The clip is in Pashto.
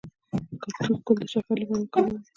د کاکتوس ګل د شکر لپاره وکاروئ